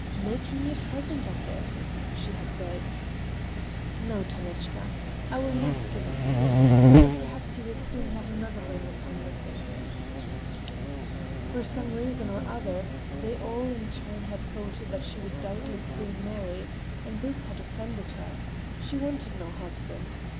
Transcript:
"Make me a present of it," she had begged. "No, Tanechka, I will not give it to you. But perhaps you will soon have another ring upon your finger." For some reason or other they all in turn had thought that she would doubtless soon marry, and this had offended her—she wanted no husband.